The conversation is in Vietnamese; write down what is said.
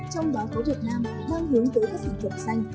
trong đó có việt nam đang hướng tới các sản phẩm xanh